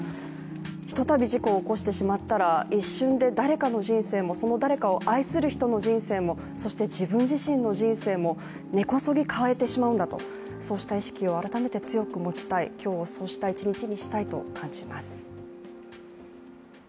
ひとたび事故を起こしてしまったら一瞬で、誰かの人生もその誰かを愛する人の人生も、そして自分自身の人生も根こそぎ変えてしまうんだと、そうした意識を改めて強く持ちたい、今日をそうした一日にしたいと感じます。